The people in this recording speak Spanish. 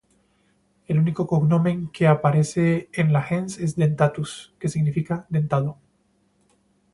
El único cognomen que aparece en la gens es "Dentatus", que significa "dentado".